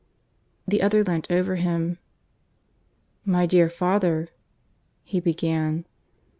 The other leant over him. "My dear father " he began.